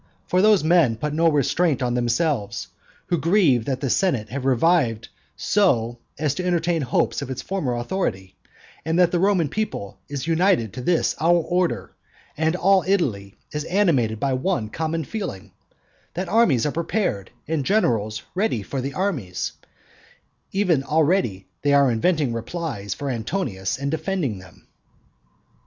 For those men put no restraint on themselves who grieve that the senate has revived so as to entertain hopes of its former authority, and that the Roman people is united to this our order, that all Italy is animated by one common feeling, that armies are prepared, and generals ready for the armies, even already they are inventing replies for Antonius, and defending them.